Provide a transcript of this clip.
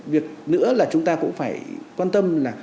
việc nữa là chúng ta cũng phải quan tâm là